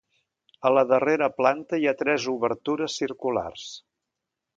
A la darrera planta hi ha tres obertures circulars.